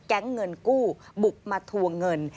แก๊งเงินกู้บุกมาทวงเงิน